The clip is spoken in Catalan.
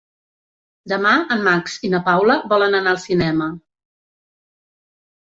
Demà en Max i na Paula volen anar al cinema.